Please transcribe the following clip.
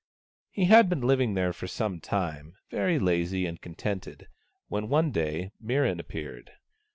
He had been living there for some time, very lazy and contented, when one day Mirran appeared.